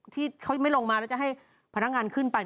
ที่เขาไม่ลงมาแล้วจะให้พนักงานขึ้นไป